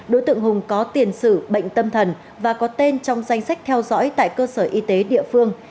đối tượng hùng có tiền sử bệnh tâm thần và có tên trong danh sách theo dõi tại cơ sở y tế địa phương